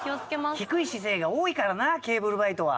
低い姿勢が多いからなケーブルバイトは。